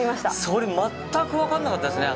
それ全く分かんなかったですね。